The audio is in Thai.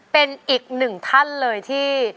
เป็นอีกหนึ่งท่านเลยที่